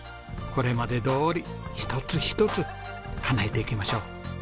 これまでどおり一つ一つかなえていきましょう。